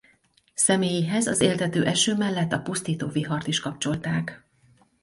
Személyéhez az éltető eső mellett a pusztító vihart is kapcsolták.